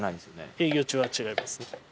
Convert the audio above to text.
営業中は違いますね。